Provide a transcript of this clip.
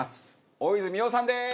大泉洋さんです！